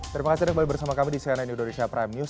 terima kasih anda kembali bersama kami di cnn indonesia prime news